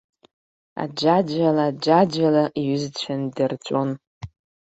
Аӡәаӡәала, аӡәаӡәала иҩызцәа ндырҵәон.